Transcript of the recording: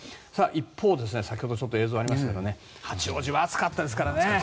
一方、先ほど映像がありましたが八王子は暑かったですからね。